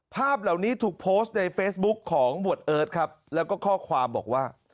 ภาพเหล่านี้ถูกโพสต์ในเฟซบุ๊คของหมวดเอิร์ทครับแล้วก็ข้อความบอกว่า